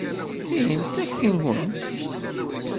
Tin d takti-nwent?